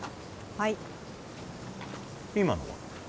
はい今のは？